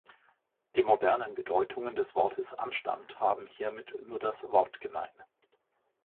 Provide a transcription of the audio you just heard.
Die modernen Bedeutungen des Wortes „Anstand“ haben hiermit nur das Wort gemein.